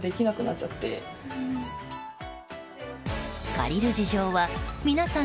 借りる事情は皆さん